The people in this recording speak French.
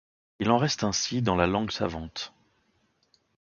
Il en reste ainsi dans la langue savante.